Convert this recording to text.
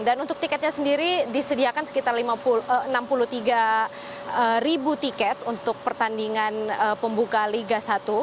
dan untuk tiketnya sendiri disediakan sekitar enam puluh tiga ribu tiket untuk pertandingan pembuka liga satu